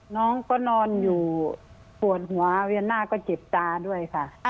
น้องก็นอนอยู่ปวดหัวเวียนหน้าก็เจ็บตาด้วยค่ะ